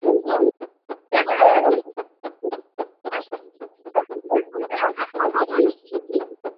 আর আপনি যদি তাকে মাফ করে দেন তাহলে সে তো আপনার রহমতেরই মুখাপেক্ষী।